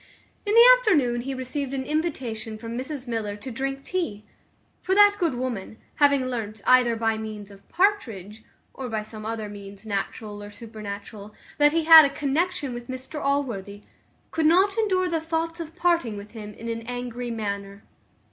In the afternoon he received an invitation from Mrs Miller to drink tea; for that good woman, having learnt, either by means of Partridge, or by some other means natural or supernatural, that he had a connexion with Mr Allworthy, could not endure the thoughts of parting with him in an angry manner.